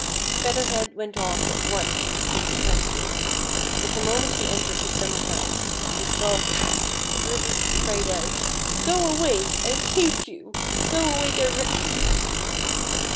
Feather Head went off at once to seek the Princess, but the moment he entered the summer house, and she saw him. Ruby cried out, *' Go away ; I hate you. Go away directly."